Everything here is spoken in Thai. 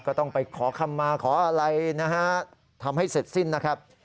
ก็ต้องไปขอคำมาขออะไรนะฮะทำให้เสร็จสิ้นนะครับ